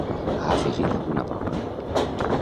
Ha afegit alguna prova?